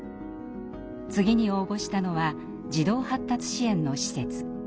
次に応募したのは児童発達支援の施設。